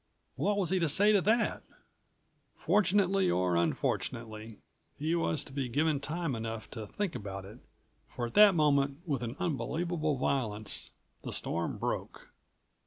What was he to say to that! Fortunately, or unfortunately, he was to be given time enough to think about it, for at that moment, with an unbelievable violence the storm broke.